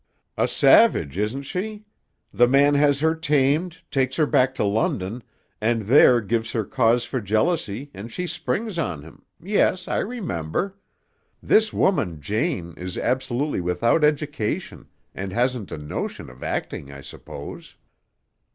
"A savage, isn't she? The man has her tamed, takes her back to London, and there gives her cause for jealousy and she springs on him yes, I remember. This woman, Jane, is absolutely without education and hasn't a notion of acting, I suppose."